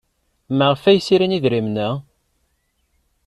Maɣef ay srin idrimen-a?